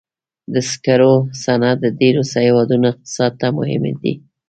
د سکرو صنعت د ډېرو هېوادونو اقتصاد ته مهم دی.